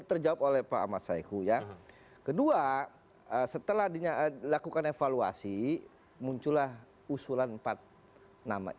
terjawab oleh pak ahmad saiku ya kedua setelah dilakukan evaluasi muncullah usulan empat nama